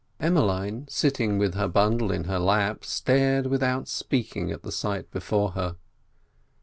Emmeline, sitting with her bundle in her lap, stared without speaking at the sight before her.